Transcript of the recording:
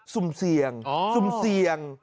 สุ่มเสี่ยงซุ่มเสี่ยง